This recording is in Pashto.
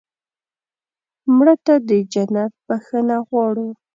مړه ته د جنت بښنه غواړو